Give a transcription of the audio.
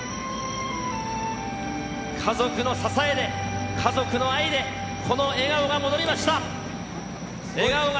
家族の支えで、家族の愛で、この笑顔が戻りました。